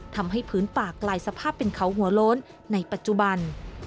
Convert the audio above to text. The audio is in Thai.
ทำให้พื้นป่ากลายสภาพเป็นเขาหัวโล้นในปัจจุบัน